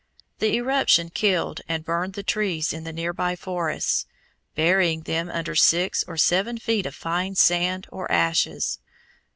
The eruption killed and burned the trees in the near by forests, burying them under six or seven feet of fine sand or ashes.